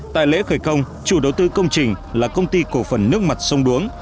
tại lễ khởi công chủ đầu tư công trình là công ty cổ phần nước mặt sông đuống